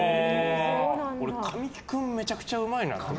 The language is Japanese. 俺、神木君がめちゃめちゃうまいなと。